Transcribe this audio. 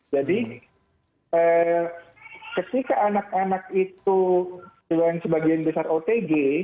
jadi ketika anak anak itu sebagian besar otg